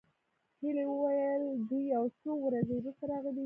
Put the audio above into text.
هيلې وویل دوی یو څو ورځې وروسته راغلې وې